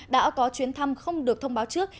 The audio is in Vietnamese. đã có chuyến thăm không được thông báo trước